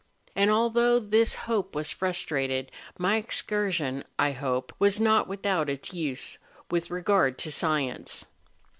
And, although this hope was frustrated, my excursion, I hope, was not without its use with regard to science.